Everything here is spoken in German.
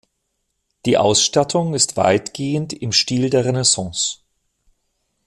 Die Ausstattung ist weitgehend im Stil der Renaissance.